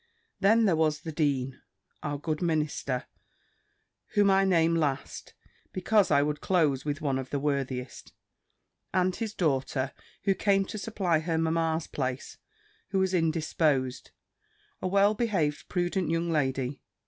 Then there was the dean, our good minister, whom I name last, because I would close with one of the worthiest; and his daughter, who came to supply her mamma's place, who was indisposed; a well behaved prudent young lady.